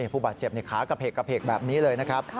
ผู้บาดเจ็บขากระเพกกระเพกแบบนี้เลยนะครับ